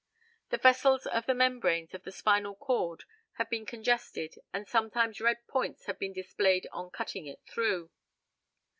The vessels of the membranes of the spinal cord have been congested, and sometimes red points have been displayed on cutting it through.